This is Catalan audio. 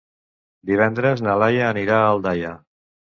Divendres na Laia anirà a Aldaia.